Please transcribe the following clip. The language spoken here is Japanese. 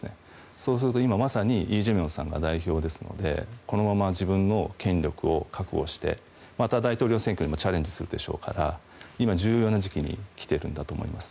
そうすると今まさにイ・ジェミョンさんが代表ですのでこのまま自分の権力を確保してまた大統領選挙にもチャレンジするでしょうから今、重要な時期に来ているんだと思います。